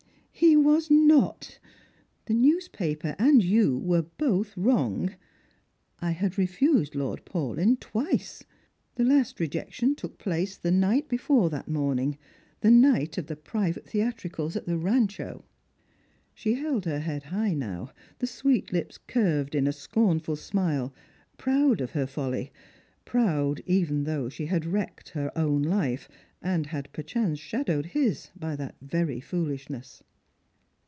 " He was not. The newspaper and you were both wrong. I had refused Lord Paulyn twice. The last rejection took place the night before that morning, the night of the private theatri cals at the Rancho." She held her head high now, the sweet lips curved in a scorn ful smile, proud of her folly — proud, even though she had wrecked her own life, and had perchance shadowed his, by that very foolishness.